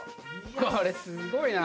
これすごいな。